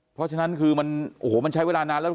เพราะฉะนั้นคือมันใช้เวลานานแล้ว